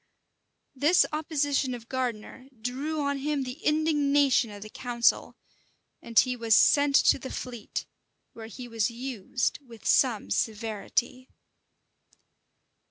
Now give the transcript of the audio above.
[*] This opposition of Gardiner drew on him the indignation of the council; and he was sent to the Fleet, where he was used with some severity.